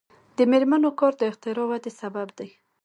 د میرمنو کار د اختراع ودې سبب دی.